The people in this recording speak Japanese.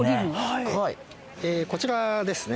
こちらですね。